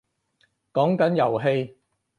講緊遊戲